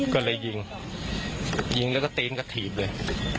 ก็เลยยิงยิงแล้วก็ตีนก็ถีบเลย